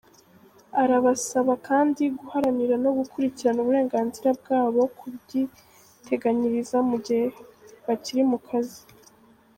Arabasaba kandi guharanira no gukurikirana uburenganzira bwabo ku bwiteganyirize mu gihe bakiri mu kazi.